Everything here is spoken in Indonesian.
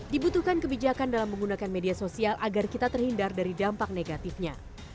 dibutuhkan kebijakan dalam menggunakan media sosial agar kita terhindar dari dampak negatifnya